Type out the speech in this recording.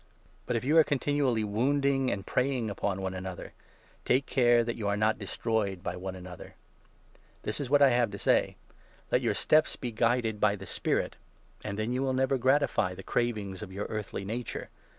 * But, if you are continually wounding and preying upon one 15 another, take care that you are not destroyed by one another. The Guidance This is what I have to say :— Let your steps be 16 of the guided by the Spirit, and then you will never gratify spirit. the cravings of your earthly nature.